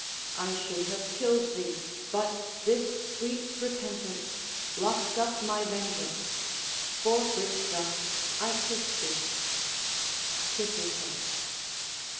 I should have killed thee, but this sweet repentance Locks up my vengeance: for which thus I kiss thee [Kisses her.